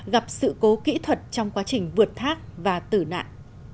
gặp sự cố kỹ thuật trong quá trình vượt thác và tử nạn